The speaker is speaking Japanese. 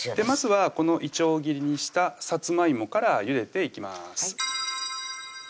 まずはこのいちょう切りにしたさつまいもからゆでていきます